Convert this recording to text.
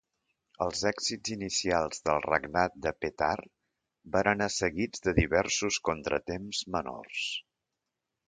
Els èxits inicials del regnat de Petar van anar seguits de diversos contratemps menors.